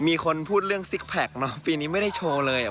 มีคนพูดเรื่องซิกแพคเนอะปีนี้ไม่ได้โชว์เลยอ่ะ